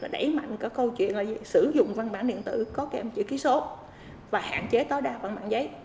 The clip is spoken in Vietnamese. đẩy mạnh câu chuyện là sử dụng văn bản điện tử có kèm chữ ký số và hạn chế tối đa văn mạng giấy